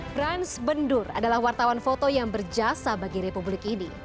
transbendur adalah wartawan foto yang berjasa bagi republik ini